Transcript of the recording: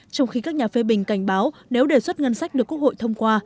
trong khi các nhà phê bình cảnh báo nếu đề xuất ngân sách được quốc hội thông qua